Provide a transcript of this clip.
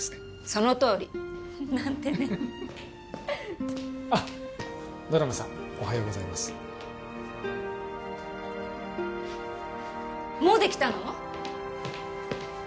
そのとおり！なんてねあっドラムさんおはようございますもうできたの？